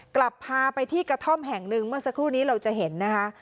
กลับพาไปที่กระท่อมแห่งหนึ่งเมื่อสักครู่นี้เราจะเห็นนะคะ